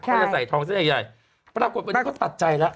เขาจะใส่ทองเส้นใหญ่ปรากฏปรากฏตัดใจแล้ว